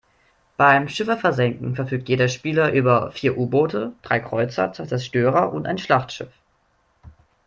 Beim Schiffe versenken verfügt jeder Spieler über vier U-Boote, drei Kreuzer, zwei Zerstörer und ein Schlachtschiff.